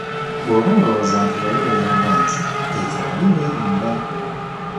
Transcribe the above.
Bw'oba olowooza nti wali oyamba nze ekyo wali weerimba.